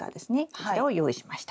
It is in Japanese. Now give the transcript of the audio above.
こちらを用意しました。